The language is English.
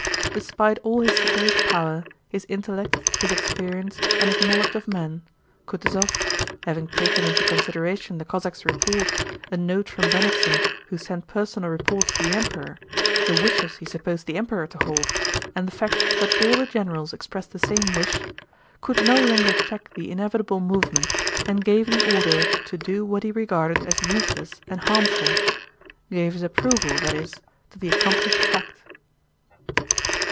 Despite all his supposed power, his intellect, his experience, and his knowledge of men, Kutúzov—having taken into consideration the Cossack's report, a note from Bennigsen who sent personal reports to the Emperor, the wishes he supposed the Emperor to hold, and the fact that all the generals expressed the same wish—could no longer check the inevitable movement, and gave the order to do what he regarded as useless and harmful—gave his approval, that is, to the accomplished fact.